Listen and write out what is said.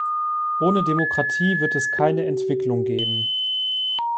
Ohne Demokratie wird es keine Entwicklung geben.